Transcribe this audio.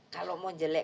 kalau mau jelek